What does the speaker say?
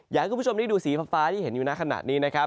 อย่างคุณผู้ชมนี่ดูสีฟ้าที่เห็นอยู่หน้าขนาดนี้นะครับ